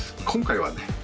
今回はね